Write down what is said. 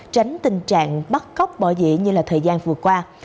tránh tình trạng bắt cóc bỏ dĩ như là thời gian vừa qua